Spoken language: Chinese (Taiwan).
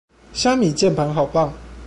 蝦米鍵盤好棒